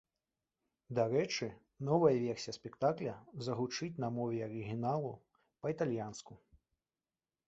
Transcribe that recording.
Дарэчы, новая версія спектакля загучыць на мове арыгіналу, па-італьянску.